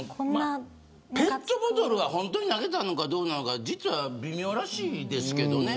ペットボトルは本当に投げたかどうか実は微妙らしいですけどね。